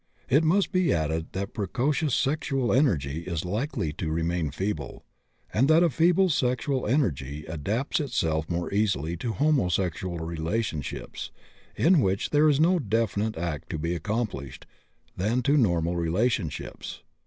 It must be added that precocious sexual energy is likely to remain feeble, and that a feeble sexual energy adapts itself more easily to homosexual relationships, in which there is no definite act to be accomplished, than to normal relationships.